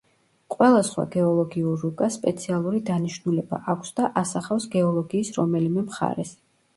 ყველა სხვა გეოლოგიურ რუკას სპეციალური დანიშნულება აქვს და ასახავს გეოლოგიის რომელიმე მხარეს.